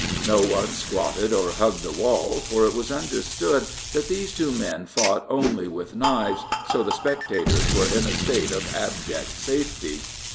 No one squatted or hugged the wall, for it was understood that these two men fought only with knives, so the spectators were in a state of abject safety.